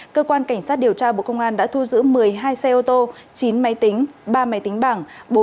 cơ quan cảnh sát điều tra bộ công an đã thu giữ một mươi hai xe ô tô chín máy tính ba máy tính bảng